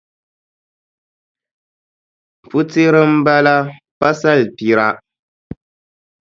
Putira m-bala pa salipira.